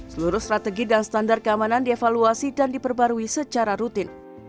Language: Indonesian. seluruh strategi dan standar keamanan dievaluasi dan diperbarui secara rutin